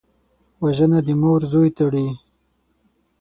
وژنه د مور زوی تړي